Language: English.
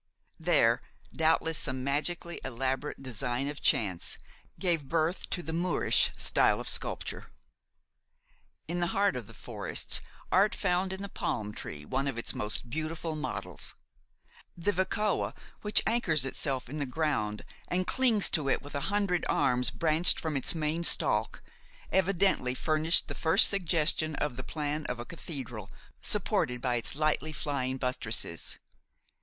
There, doubtless some magically elaborate design of chance gave birth to the Moorish style of sculpture. In the heart of the forests, art found in the palm tree one of its most beautiful models. The vacoa which anchors itself in the ground and clings to it with a hundred arms branched from its main stalk, evidently furnished the first suggestion of the plan of a cathedral supported by its lightly flying buttresses.